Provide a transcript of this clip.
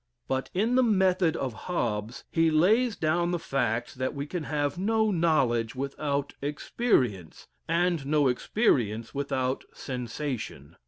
But in the method of Hobbes, he lays down the facts that we can have no knowledge without experience, and no experience without sensation.